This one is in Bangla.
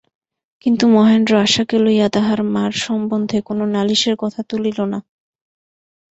কিন্তু মহেন্দ্র আশাকে লইয়া তাহার মার সম্বন্ধে কোনো নালিশের কথা তুলিল না।